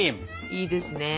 いいですね。